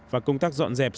và công tác dọn dẹp